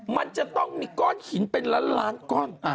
มันจะต้องมีก้อนหินเป็นล้านล้านก้อน